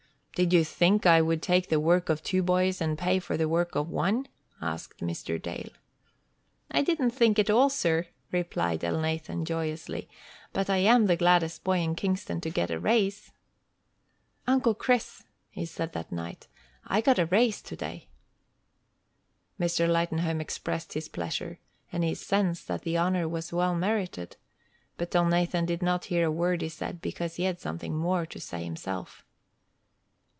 "Did you think I would take the work of two boys and pay for the work of one?" asked Mr. Dale. "I didn't think at all, sir," replied Elnathan, joyously; "but I am the gladdest boy in Kingston to get a raise." "Uncle Chris," he said that night, "I got a raise today." Mr. Lightenhome expressed his pleasure, and his sense that the honor was well merited, but Elnathan did not hear a word he said, because he had something more to say himself.